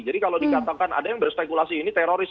jadi kalau dikatakan ada yang berpekulasi ini teroris